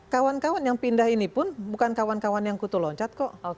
kawan kawan yang pindah ini pun bukan kawan kawan yang kutu loncat kok